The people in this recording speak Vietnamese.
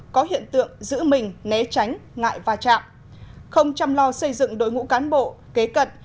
có hiện tượng giữ mình né tránh ngại va chạm không chăm lo xây dựng đội ngũ cán bộ kế cận